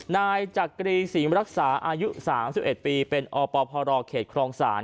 นายจักรีศรีมรักษาอายุ๓๑ปีเป็นอปพรเขตครองศาล